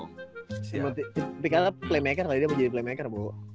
tadi kalah playmaker kali dia mau jadi playmaker